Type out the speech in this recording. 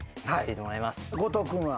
後藤君は？